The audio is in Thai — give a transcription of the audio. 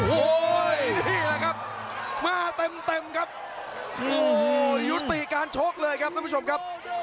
โอ้โหนี่แหละครับมาเต็มเต็มครับโอ้โหยุติการชกเลยครับท่านผู้ชมครับ